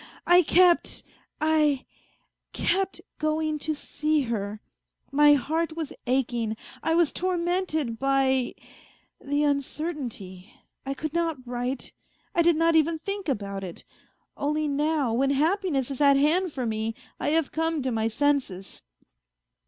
I kept ... I ... kept going to see her. ... My heart was aching, I was tormented by ... the uncertainty ... I could not write. I did not even think about it. Only now, when happiness is at hand for me, I have come to my senses."